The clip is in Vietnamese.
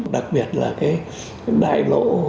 đặc biệt là cái đại lộ